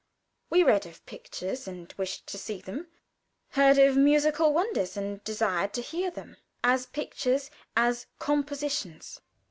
We read of pictures, and wished to see them; heard of musical wonders, and desired to hear them as pictures, as compositions.